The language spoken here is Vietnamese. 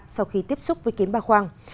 sau khi tiếp xúc với kiến ba khoang